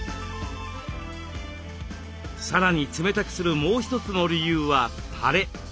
さらに冷たくするもう一つの理由はたれ。